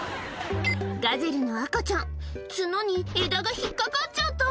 ガゼルの赤ちゃん、角に枝が引っ掛かっちゃった。